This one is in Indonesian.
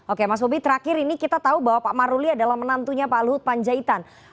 oke mas bobi terakhir ini kita tahu bahwa pak maruli adalah menantunya pak luhut panjaitan